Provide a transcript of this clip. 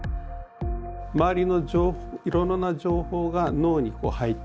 周りのいろいろな情報が脳に入ってくる。